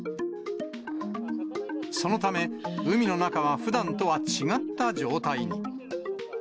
そのため、海の中はふだんとは違った状態に。